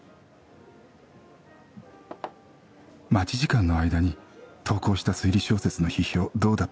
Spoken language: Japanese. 待ち時間の間に投稿した推理小説の批評